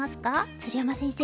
鶴山先生